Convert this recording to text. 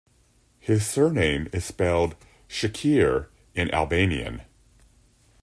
His surname is spelled "Shykyr" in Albanian.